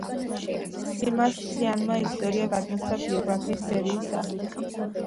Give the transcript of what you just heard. სიმას ციანმა ისტორია გადმოსცა ბიოგრაფიების სერიის სახით.